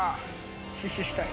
死守したい。